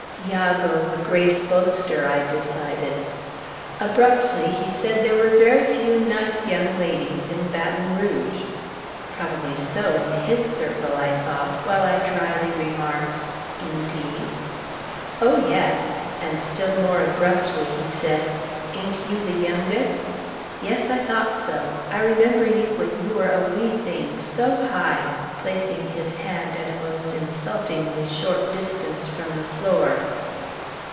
"Iagoo, the great boaster," I decided. Abruptly he said there were very few nice young ladies in Baton Rouge. "Probably so, in his circle," I thought, while I dryly remarked, "Indeed?" "Oh, yes!" and still more abruptly he said, "Ain't you the youngest? Yes! I thought so! I remember you when you were a wee thing, so high," placing his hand at a most insultingly short distance from the floor.